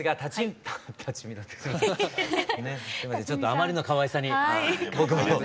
ちょっとあまりのかわいさに僕も。